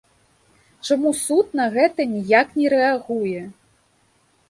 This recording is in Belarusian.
Чаму суд на гэта ніяк не рэагуе?